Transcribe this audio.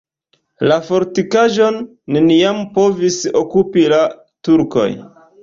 La fortikaĵon neniam povis okupi la turkoj.